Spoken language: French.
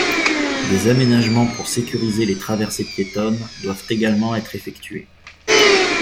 Des aménagements pour sécuriser les traversées piétonnes doivent également être effectués.